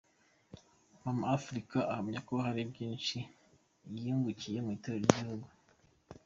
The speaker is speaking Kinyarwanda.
Mama Africa ahamya ko hari byinshi yungukiye mu itorero ry'igihugu.